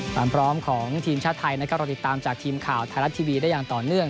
ความพร้อมของทีมชาติไทยนะครับเราติดตามจากทีมข่าวไทยรัฐทีวีได้อย่างต่อเนื่อง